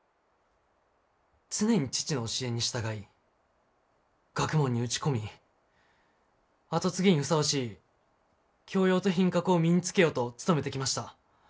常に父の教えに従い学問に打ち込み後継ぎにふさわしい教養と品格を身につけようと努めてきました。